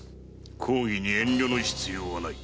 公儀に遠慮の必要はない。